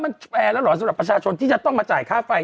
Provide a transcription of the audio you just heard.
มันแอร์แล้วเหรอสำหรับประชาชนที่จะต้องมาจ่ายค่าไฟ